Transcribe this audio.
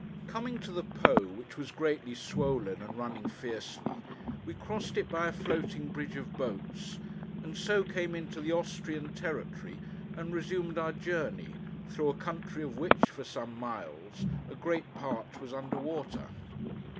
Coming to the Po, which was greatly swollen, and running fiercely, we crossed it by a floating bridge of boats, and so came into the Austrian territory, and resumed our journey: through a country of which, for some miles, a great part was under water.